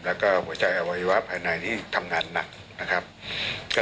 และหัวใจอวัยวะภายในที่ทำงานหนัก